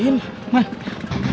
umi gempa umi